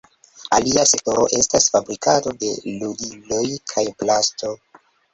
Alia sektoro estas fabrikado de ludiloj kaj plasto.